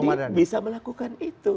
sandi bisa melakukan itu